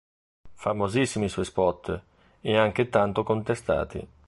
Famosissimi i suoi spot, e anche tanto contestati.